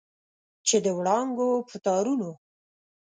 چې د وړانګو په تارونو